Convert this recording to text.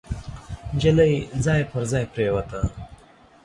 نجلۍ ځای پر ځای پريوته.